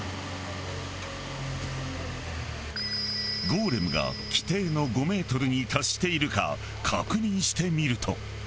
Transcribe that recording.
ゴーレムが規定の５メートルに達しているか確認してみると。